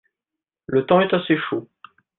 Le temps est assez chaud.